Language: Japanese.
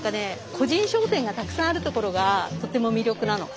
個人商店がたくさんあるところがとても魅力なの。